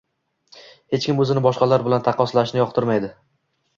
Hech kim o‘zini boshqalar bilan taqqoslanishini yoqtirmaydi.